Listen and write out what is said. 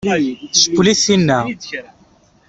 Tcewwel-itt tinna?